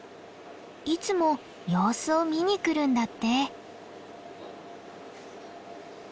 いつも様子を見に来るんだって。